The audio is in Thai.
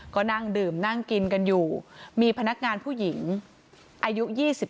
ก็นั่งดื่มนั่งกินกันอยู่มีพนักงานผู้หญิงอายุ๒๓